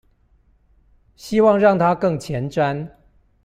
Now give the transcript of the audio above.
希望讓他更前瞻